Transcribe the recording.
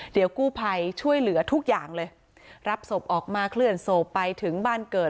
เดี๋ยวกู้ภัยช่วยเหลือทุกอย่างเลยรับศพออกมาเคลื่อนศพไปถึงบ้านเกิด